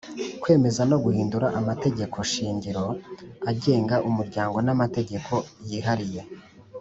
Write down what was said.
Kwemeza no guhindura amategekoshingiro agenga umuryango n amategeko yihariye